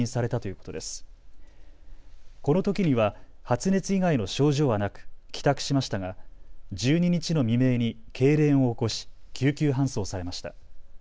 このときには発熱以外の症状はなく、帰宅しましたが１２日の未明にけいれんを起こし救急搬送されました。